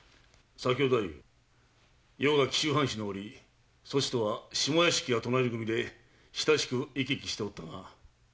左京太夫余が紀州藩主の折そちとは下屋敷が隣組で親しく行き来しておったな。